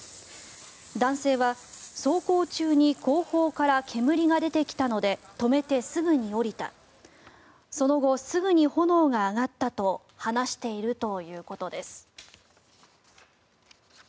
男性は、走行中に後方から煙が出てきたので止めてすぐに降りたその後、すぐに炎が上がったと話しているということです。